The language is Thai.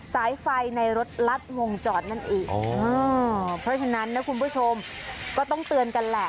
สายไฟในรถลัดวงจอดนั่นเองอ๋อเพราะฉะนั้นนะคุณผู้ชมก็ต้องเตือนกันแหละ